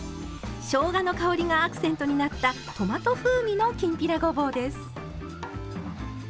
しょうがの香りがアクセントになったトマト風味のきんぴらごぼうです。